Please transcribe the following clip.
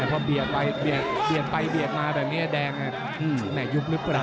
เขาเปลี่ยกไปเปลี่ยกมาแบบนี้แดงในหยุคนึกเรื่องเนาะ